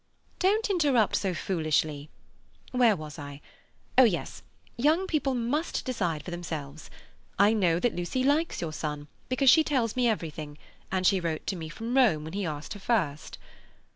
"Don't interrupt so foolishly. Where was I? Oh yes—'Young people must decide for themselves. I know that Lucy likes your son, because she tells me everything, and she wrote to me from Rome when he asked her first.